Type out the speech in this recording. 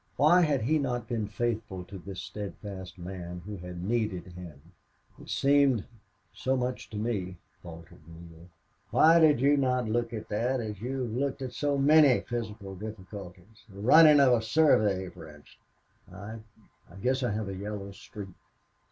Why had he not been faithful to this steadfast man who had needed him! "It seemed so much to me," faltered Neale. "Why did you not look at that as you have looked at so many physical difficulties the running of a survey, for instance?" "I I guess I have a yellow streak."